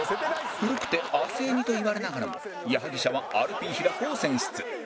古くて亜生似と言われながらも矢作舎はアルピー平子を選出